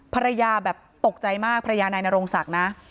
ภรรยาแบบตกใจมากภรรยานายนโรงศักดิ์นะ